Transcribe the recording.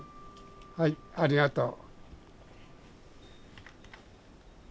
はいありがとう。